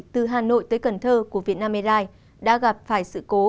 từ hà nội tới cần thơ của vietnam airlines đã gặp phải sự cố